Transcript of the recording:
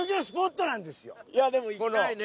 いやでも行きたいね